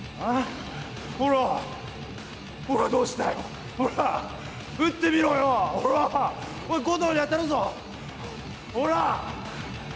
ほら、ほらどうしたよ撃ってみろよ、ほらおい、護道に当たるぞ、ほら！